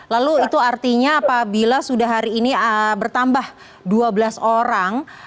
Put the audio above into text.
lalu itu artinya apabila sudah hari ini bertambah dua belas orang